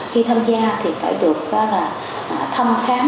khi tham gia thì phải được thăm khám